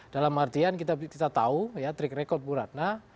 dalam artian kita tahu ya trik rekod bu ratna